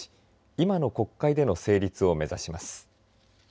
今の国会での成立を目指します。